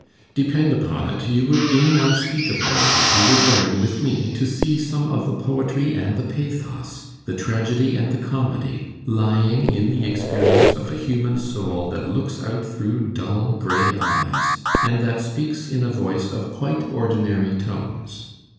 Depend upon it, you would gain unspeakably if you would learn with me to see some of the poetry and the pathos, the tragedy and the comedy, lying in the experience of a human soul that looks out through dull grey eyes, and that speaks in a voice of quite ordinary tones.